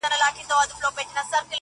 په کمال کي د خبرو یک تنها وو،